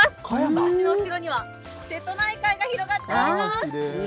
私の後ろには、瀬戸内海が広がっております。